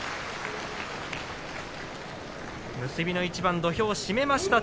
結びの一番、土俵を締めました